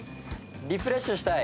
リフレッシュしたい。